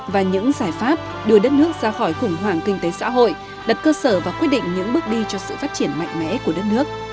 và những giải pháp đưa đất nước ra khỏi khủng hoảng kinh tế xã hội đặt cơ sở và quyết định những bước đi cho sự phát triển mạnh mẽ của đất nước